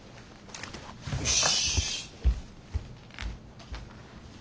よし。